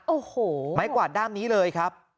โอ้โหไม้กวาดด้ามนี้เลยครับ